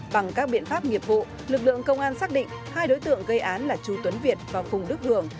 bằng các biện pháp nghiệp vụ lực lượng công an xác định hai đối tượng gây án là chú tuấn việt và phùng đức hường